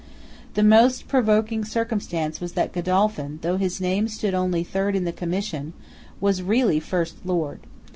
The most provoking circumstance was that Godolphin, though his name stood only third in the commission, was really first Lord.